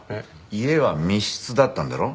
家は密室だったんだろ？